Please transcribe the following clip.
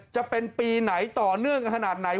จะเป็นปีไหนต่อเนื่องขนาดไหน